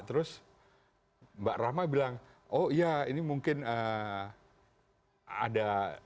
terus mbak rahma bilang oh iya ini mungkin ada